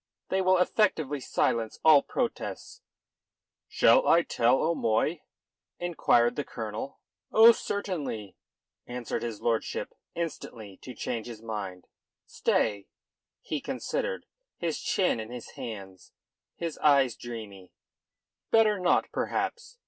They will effectively silence all protests." "Shall I tell O'Moy?" inquired the colonel. "Oh, certainly," answered his lordship, instantly to change his mind. "Stay!" He considered, his chin in his hand, his eyes dreamy. "Better not, perhaps.